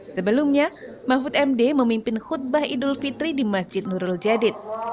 sebelumnya mahfud md memimpin khutbah idul fitri di masjid nurul jadid